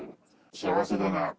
幸せだなあ！